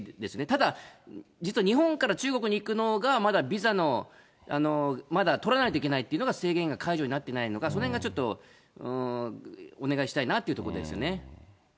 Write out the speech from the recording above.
ただ、実は日本から中国に行くのが、まだビザの、まだ取らないといけないっていうのの制限が解除になっていないのが、そのへんがちょっとお願いしたいなってところですね。